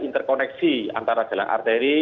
interkoneksi antara jalan arteri